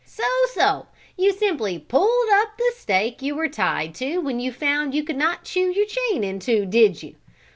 "So, so; you simply pulled up the stake you were tied to when you found you could not chew your chain in two, did you?